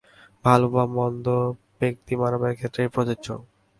ভাল বা মন্দ ব্যক্তি-মানবের ক্ষেত্রেই প্রযোজ্য।